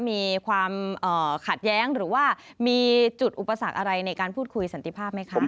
มีความขัดแย้งหรือว่ามีจุดอุปสรรคอะไรในการพูดคุยสันติภาพไหมคะ